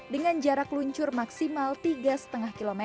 dengan jarak luncur maksimal tiga lima km